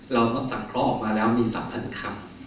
เราสั่งเคราะห์ออกมาแล้วมี๓๐๐คำ